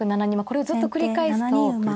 これをずっと繰り返すと。